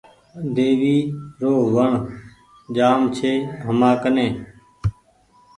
ۮيوي رو وڻ جآم ڇي همآ ڪني